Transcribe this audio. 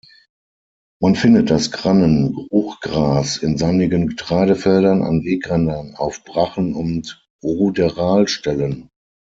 Man findet das Grannen-Ruchgras in sandigen Getreidefeldern, an Wegrändern, auf Brachen und Ruderalstellen.